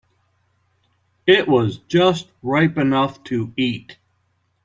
It was just ripe enough to eat.